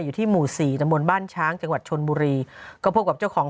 อยู่ที่หมู่สี่ตำบลบ้านช้างจังหวัดชนบุรีก็พบกับเจ้าของ